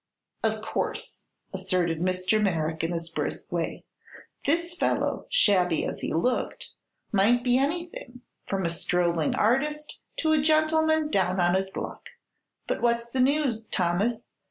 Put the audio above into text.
"Of course," asserted Mr. Merrick, in his brisk way. "This fellow, shabby as he looked, might be anything from a strolling artist to a gentleman down on his luck. But what's the news, Thomas?